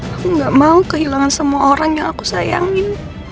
aku gak mau kehilangan semua orang yang aku sayangin